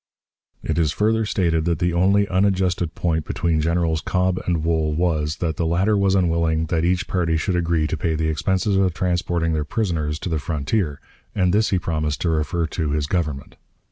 It is further stated that the only unadjusted point between Generals Cobb and Wool was, that the latter was unwilling that each party should agree to pay the expenses of transporting their prisoners to the frontier, and this he promised to refer to his Government.